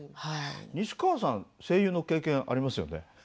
西川さん声優の経験ありますよね？